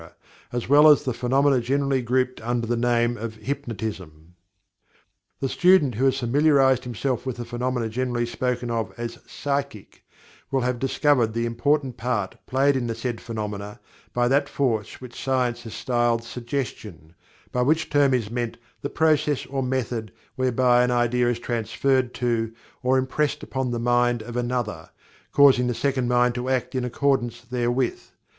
as well as the phenomena generally grouped under the name of Hypnotism. The student who has familiarized himself with the phenomena generally spoken of as "psychic" will have discovered the important part played in the said phenomena by that force which science has styled "Suggestion," by which term is meant the process or method whereby an idea is transferred to, or "impressed upon" the mind of another, causing the second mind to act in accordance therewith.